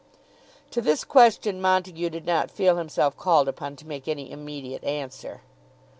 To this question Montague did not feel himself called upon to make any immediate answer.